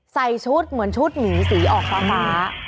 ใส่ชุดเหมือนชุดหมีสีออกฟ้า